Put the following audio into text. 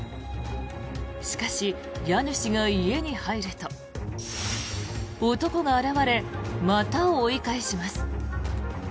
しかし、家主が家に入ると男が現れまた追い返します。